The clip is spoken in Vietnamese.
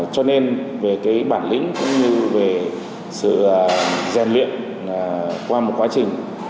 cho nên về cái bản lĩnh cũng như về sự rèn luyện qua một quá trình